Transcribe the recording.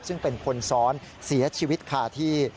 ซึ่งเป็นคนซ้อนเสียชีวิตคาที่